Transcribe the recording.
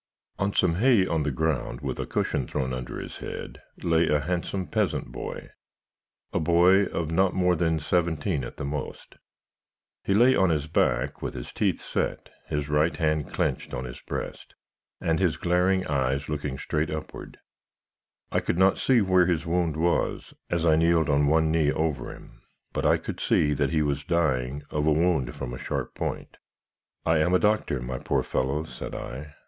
"On some hay on the ground, with a cushion thrown under his heady lay a handsome peasant boy a boy of not more than seventeen at the most. He lay on his back, with his teeth set, his right hand clenched on his breast, and his glaring eyes looking straight upward. I could not see where his wound was, as I kneeled on one knee over him; but, I could see that he was dying of a wound from a sharp point. "'I am a doctor, my poor fellow,' said I.